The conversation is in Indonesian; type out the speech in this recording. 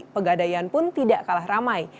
pegadaian pun tidak kalah ramai